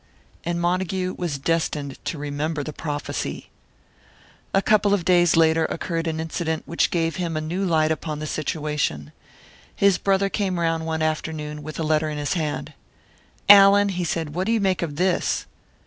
And Montague was destined to remember the prophecy. A couple of days later occurred an incident which gave him a new light upon the situation. His brother came around one afternoon, with a letter in his hand. "Allan," he said, "what do you make of this?"